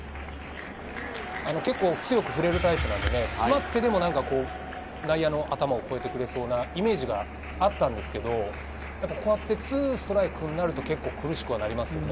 結構強く振れるタイプなので、詰まっていても内野の頭を越えてくれそうなイメージがあったんですけど、２ストライクになると、ちょっと苦しくはなりますよね。